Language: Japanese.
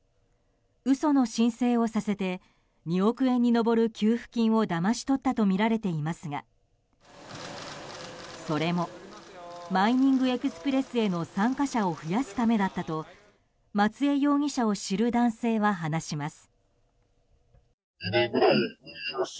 嘘の申請をさせて２億円に上る給付金をだまし取ったとみられていますがそれもマイニングエクスプレスへの参加者を増やすためだったと松江容疑者を知る男性は話します。